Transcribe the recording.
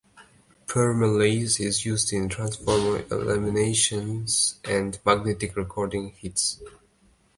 Permalloy is used in transformer laminations and magnetic recording heads.